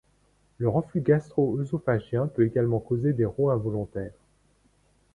Le reflux gastro-œsophagien peut également causer des rots involontaires.